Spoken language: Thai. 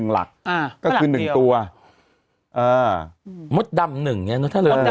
อ่าเหล่าเดียวคือ๑ตัวอ่ามดดำ๑เนี่ยนะถ้าเริ่มเลย